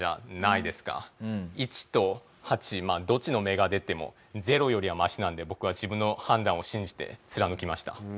１と８どっちの目が出ても０よりはマシなので僕は自分の判断を信じて貫きました。